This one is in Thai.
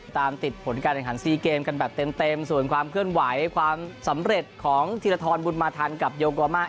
ตามติดผลการแข่งขันซีเกมกันแบบเต็มส่วนความเคลื่อนไหวความสำเร็จของธีรทรบุญมาทันกับโยโกมะ